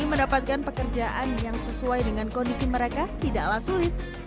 mendapatkan pekerjaan yang sesuai dengan kondisi mereka tidaklah sulit